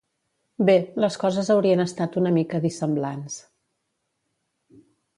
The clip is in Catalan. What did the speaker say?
Bé, les coses haurien estat una mica dissemblants.